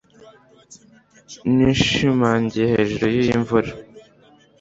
nishimangiye hejuru yimvura